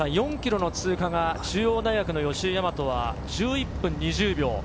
４ｋｍの通過が中央大学・吉居大和は１１分２０秒。